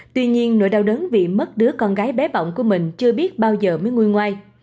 tuy nhiên nỗi đau đớn vì mất đứa con gái bé bọng của mình chưa biết bao giờ mới nguôi ngoai